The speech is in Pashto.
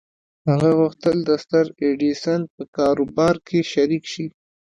هغه غوښتل د ستر ايډېسن په کاروبار کې شريک شي.